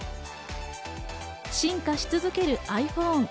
進化し続けるｉＰｈｏｎｅ。